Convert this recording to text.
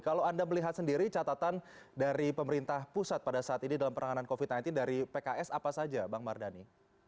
kalau anda melihat sendiri catatan dari pemerintah pusat pada saat ini dalam peranganan covid sembilan belas dari pks apa saja bang mardhani